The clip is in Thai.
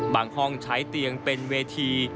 ห้องใช้เตียงเป็นเวที